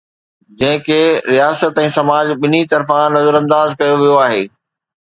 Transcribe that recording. جنهن کي رياست ۽ سماج ٻنهي طرفان نظرانداز ڪيو ويو آهي.